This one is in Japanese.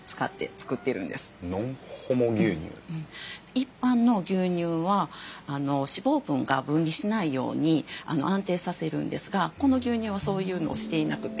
一般の牛乳は脂肪分が分離しないように安定させるんですがこの牛乳はそういうのをしていなくて。